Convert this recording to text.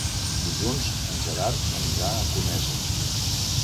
Dilluns en Gerard anirà a Conesa.